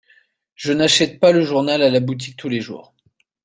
Je n'achète pas le journal à la boutique tous les jours.